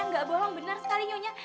nggak bohong benar sekali nyonya